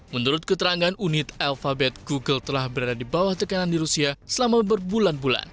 menurut keterangan unit alphabet google telah berada di bawah tekanan di rusia selama berbulan bulan